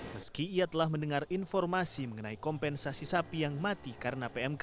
meski ia telah mendengar informasi mengenai kompensasi sapi yang mati karena pmk